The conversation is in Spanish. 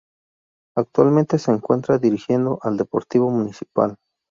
Actualmente se encuentra dirigiendo al Deportivo Municipal.